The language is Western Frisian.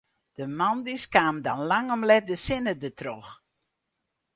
De moandeis kaam dan lang om let de sinne dertroch.